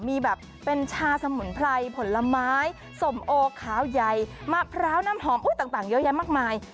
มีแบบเป็นชาสมุนไพรผลไม้สมโอขาวใหญ่มะพร้าวน้ำหอมต่างเยอะแยะมากมาย